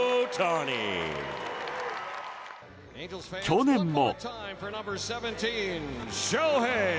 去年も。